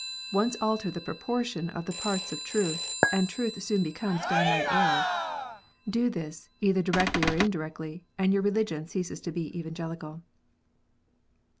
Once alter the proportion of the parts of truth, and truth soon becomes downright error ! Do this, either directly or indirectly, and your religion ceases to be Evangelical.